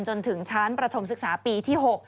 จนถึงชั้นประถมศึกษาปีที่๖